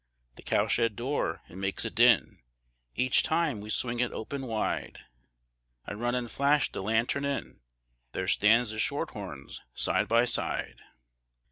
The cow shed door, it makes a din Each time we swing it open wide; I run an' flash the lantern in, There stand the shorthorns side by side.